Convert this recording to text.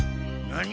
何？